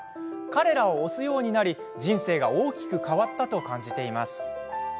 彼らを推すようになり人生が大きく変わったと感じています。